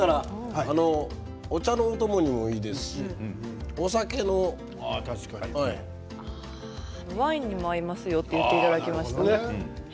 お茶のお供にもいいですしお酒のあれにもね。ワインにも合いますよと言っていただきました。